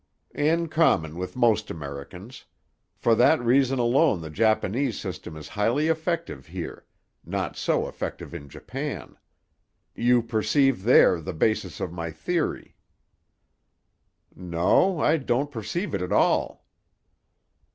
"In common with most Americans. For that reason alone the Japanese system is highly effective here, not so effective in Japan. You perceive there the basis of my theory." "No, I don't perceive it at all."